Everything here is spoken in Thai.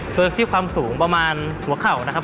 เที่ยวความสูงประมาณหัวเข่านะครับผม